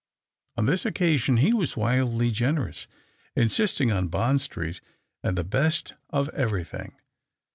On this occasion he was wildly generous, insisting on Bond Street and the best of everything.